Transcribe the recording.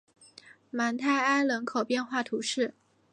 芒泰埃人口变化图示